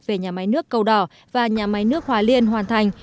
về nhà máy nước cầu đỏ và nhà máy nước hòa liên hoàn thành